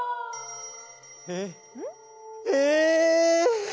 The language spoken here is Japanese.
えっええ！？